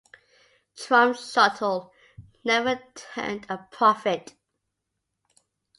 Trump Shuttle never turned a profit.